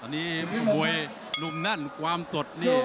นันนั่นความสดเนี่ย